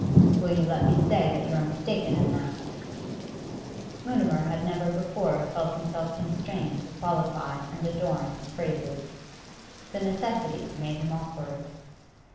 'Will you let me say that you are mistaken in that?' Mutimer had never before felt himself constrained to qualify and adorn his phrases; the necessity made him awkward.